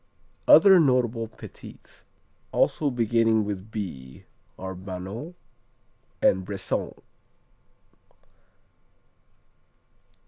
Other notable Petits also beginning with B are Banons and Bressans.